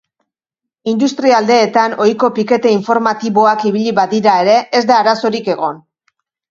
Industrialdeetan ohiko pikete informatiboak ibili badira ere, ez da arazorik egon.